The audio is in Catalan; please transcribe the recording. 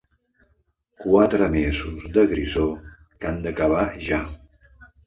Quatre mesos de grisor que han d'acabar ja.